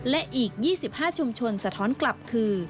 และอีก๒๕ชุมชนสะท้อนกลับคือ